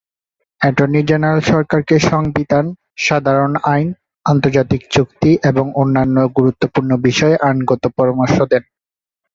Attorney general সরকারকে সংবিধান, সাধারণ আইন, আন্তর্জাতিক চুক্তি এবং অন্যান্য গুরুত্বপূর্ণ বিষয়ে আইনগত পরামর্শ দেন।